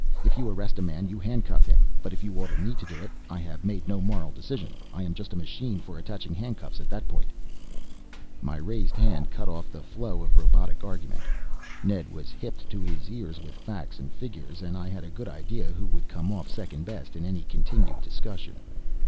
If you arrest a man you handcuff him. But if you order me to do it, I have made no moral decision. I am just a machine for attaching handcuffs at that point ..." My raised hand cut off the flow of robotic argument. Ned was hipped to his ears with facts and figures and I had a good idea who would come off second best in any continued discussion.